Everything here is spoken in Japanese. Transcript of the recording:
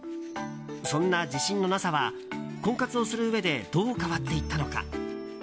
そんな自信のなさは婚活をするうえでどう変わっていったのか。